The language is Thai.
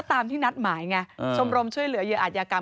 ตามที่นัดหมายไงชมรมช่วยเหลือเหยื่ออาจยากรรม